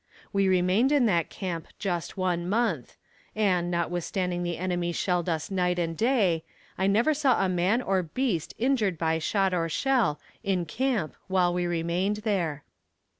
We remained in that camp just one month, and, notwithstanding the enemy shelled us night and day, I never saw a man or beast injured by shot or shell in camp while we remained there.